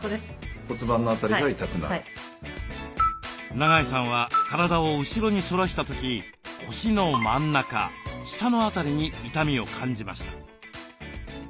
長井さんは体を後ろに反らした時腰の真ん中下の辺りに痛みを感じました。